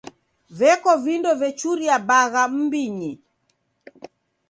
Veko vindo vechuria bagha m'mbinyi.